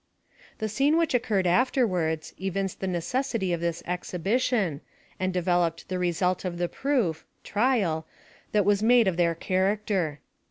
The scene which occurred aAerwards, evinced the necessity ol this exhibition, and developed the result of the proof, [trial] that was made of their character.